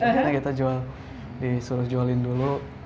jadi kita jual disuruh jualin dulu